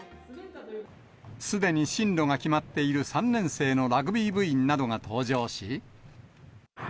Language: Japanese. すでに進路が決まっている３年生のラグビー部員などが登場し。